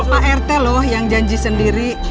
pak rt loh yang janji sendiri